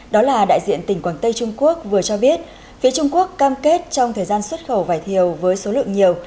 đó là đại diện tỉnh quảng tây trung quốc vừa cho biết phía trung quốc cam kết trong thời gian xuất khẩu vải thiều với số lượng nhiều